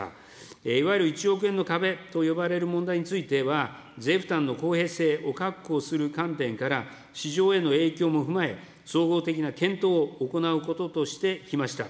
いわゆる１億円の壁と呼ばれる問題については、税負担の公平性を確保する観点から、市場への影響も踏まえ、総合的な検討を行うこととしてきました。